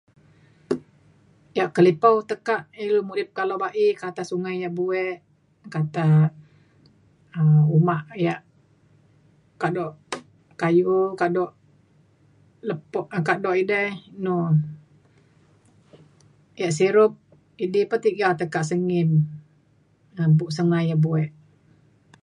yak kelipau tekak ilu murip kak lo ba’i kata sungai yak buek kata um uma yak kado kayu kado lepo kado edei nu yak sirup idi pa tiga tekak tiga sengin um buk sungai ia’ buek